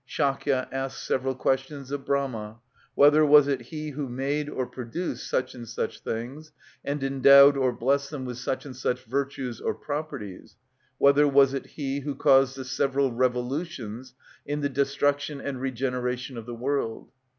Shakya asks several questions of Brahma,—whether was it he who made or produced such and such things, and endowed or blessed them with such and such virtues or properties,—whether was it he who caused the several revolutions in the destruction and regeneration of the world.